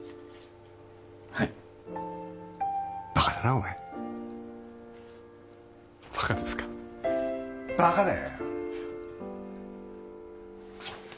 はいバカだなお前バカですか・バカだよ